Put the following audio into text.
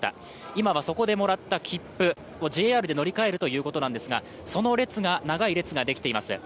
今はそこでもらった切符、ＪＲで乗り換えるということですがその列が長い列ができています。